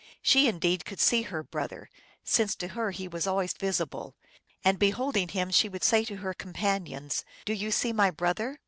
She indeed could see her brother, since to her he was always visible, and be holding him she would say to her companions, " Do you see my brother